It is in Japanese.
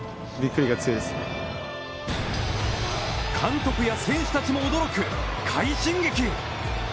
監督や選手たちも驚く快進撃！